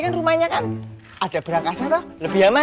ada berangkasnya lebih aman